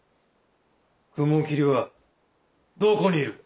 雲霧はどこにいる？